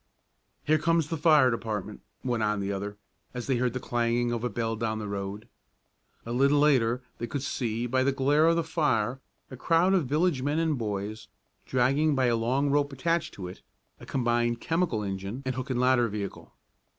"Here comes the fire department," went on the other, as they heard the clanging of a bell down the road. A little later they could see, by the glare of the fire, a crowd of village men and boys dragging, by the long rope attached to it, a combined chemical engine, and hook and ladder vehicle.